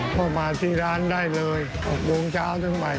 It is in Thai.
พอมาที่ร้านได้เลย๖โมงเช้าถึงหมาย๓